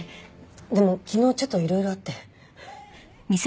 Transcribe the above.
でも昨日ちょっといろいろあって。